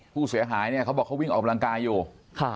ผู้เสียหายเขาบอกว่าเขาวิ่งออกกำลังกายอยู่